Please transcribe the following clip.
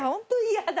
嫌だ。